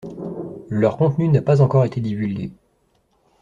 Leur contenu n'a pas encore été divulgué.